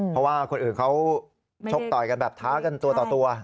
เพราะว่าคนอื่นเขาชกต่อยกันแบบท้ากันตัวต่อตัว